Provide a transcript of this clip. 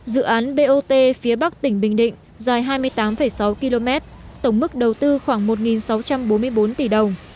dự án bot phía bắc tỉnh bình định dài hai mươi tám sáu km tổng mức đầu tư khoảng một sáu trăm bốn mươi bốn tỷ đồng